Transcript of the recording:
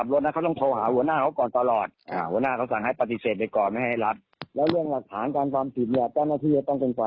เดี๋ยวช่วยหากเราว่ามีส่วนนี่โดยตอบอยู่